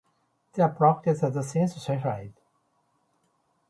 The practice has since ceased.